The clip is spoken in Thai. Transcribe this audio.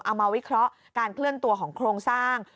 มาวิเคราะห์การเคลื่อนตัวของโครงสร้าง